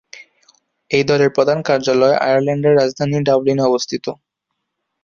এই দলের প্রধান কার্যালয় আয়ারল্যান্ডের রাজধানী ডাবলিনে অবস্থিত।